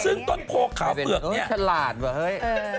ซึ่งตอนโภคขาวเปลือกเนี่ยพอเป็นสลาดมาเฮ้ย